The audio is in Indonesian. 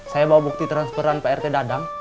saya bawa bukti transferan prt dadang